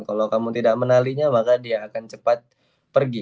kalau kamu tidak menalinya maka dia akan cepat pergi